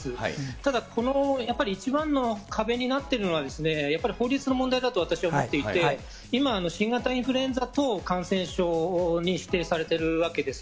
ただやっぱり一番の壁になってるのはやっぱり法律の問題だと私は思っていて、今、新型インフルエンザ等感染症に指定されてるわけです。